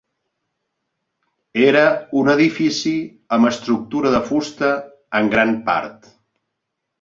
Era un edifici amb estructura de fusta en gran part.